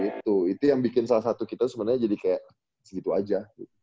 itu yang bikin salah satu kita sebenarnya jadi kayak segitu aja